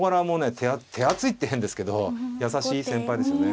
手厚い手厚いって変ですけど優しい先輩ですよね。